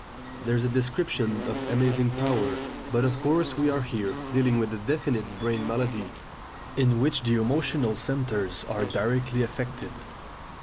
That is a description of amazing power, but of course we are here dealing with a definite brain malady, in which the emotional centres are directly affected.